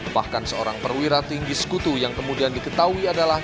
bahkan seorang perwira tinggi sekutu yang kemudian diketahui adalah